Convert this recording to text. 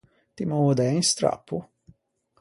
Ti m’ô dæ un strappo?